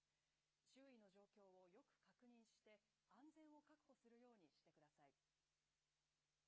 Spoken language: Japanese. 周囲の状況をよく確認して、安全を確保するようにしてください。